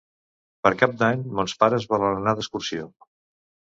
Per Cap d'Any mons pares volen anar d'excursió.